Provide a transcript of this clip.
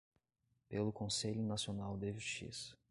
pelo Conselho Nacional de Justiça;